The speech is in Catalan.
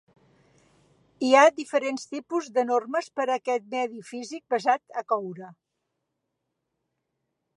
Hi ha diferents tipus de normes per a aquest medi físic basat a coure.